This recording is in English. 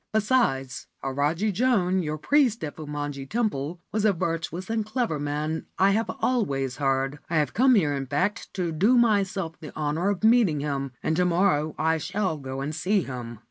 Besides, Ajari Joan, your priest at Fumonji Temple, was a virtuous and clever man, I have always heard. I have come here, in fact, to do myself the honour of meeting him, and to morrow I shall go and see him.'